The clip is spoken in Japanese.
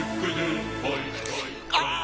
ああ！